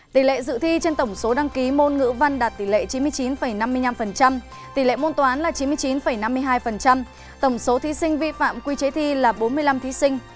tỷ lệ dự thi trên tổng số đăng ký môn ngữ văn đạt tỷ lệ chín mươi chín năm mươi năm tỷ lệ môn toán là chín mươi chín năm mươi hai tổng số thí sinh vi phạm quy chế thi là bốn mươi năm thí sinh